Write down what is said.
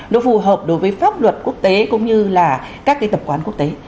nó phù hợp đối với pháp luật quốc tế cũng như là các cái tập quán quốc tế